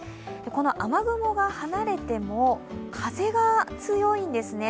この雨雲が離れても風が強いんですね。